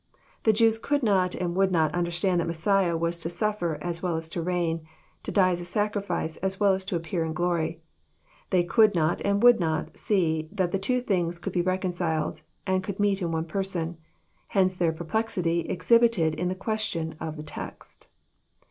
The Jews conld not and would not understand that Messiah was to suffer as well as to reign, to die as a Sacrifice as well as to appear in glory. They could not and would not see that the two things could be reconciled, and could meet in one person. Hence their perplexity exhibited in tJie question of the text.